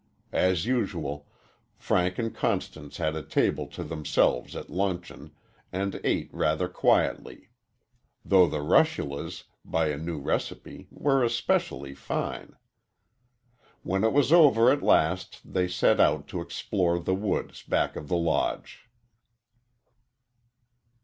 As usual, Frank and Constance had a table to themselves at luncheon and ate rather quietly, though the russulas, by a new recipe, were especially fine. When it was over at last they set out to explore the woods back of the Lodge.